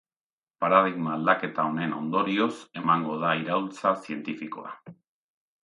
Paradigma aldaketa honen ondorioz emango da iraultza zientifikoa.